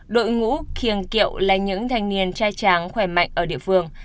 đội ngũ khiêng kiệu là những thanh niên trai tráng khỏe mạnh ở địa phương